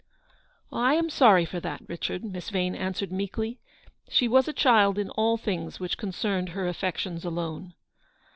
" I am sorry for that, Richard/* Miss Vane answered meekly. She was a child in all things which concerned her affections alone.